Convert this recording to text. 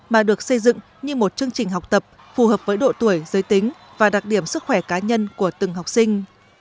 mà được xây dựng như một chương trình học tập phù hợp với độ tuổi giới tính và đặc điểm sức khỏe cá nhân của từng học sinh